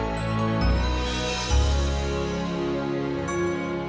aku mau menikmati juwita aku selama bertahun tahun